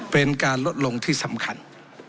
เป็นการลดลงที่สำคัญ